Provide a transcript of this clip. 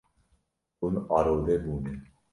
Hûn arode bûne.